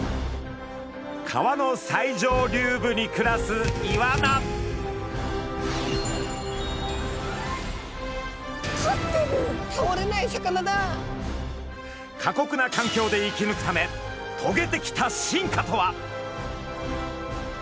川の最上流部に暮らす過酷な環境で生きぬくためとげてきた進化とは？